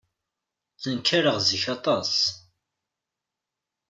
Ttenkareɣ zik aṭas.